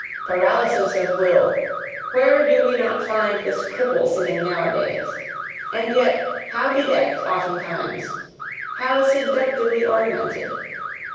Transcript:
Paralysis of will, where do we not find this cripple sitting nowadays! And yet how bedecked oftentimes' How seductively ornamented!